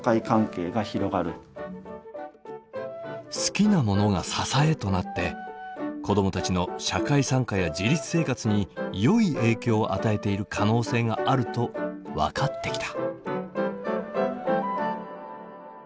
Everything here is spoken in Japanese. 好きなものが支えとなって子どもたちの社会参加や自立生活によい影響を与えている可能性があると分かってきた。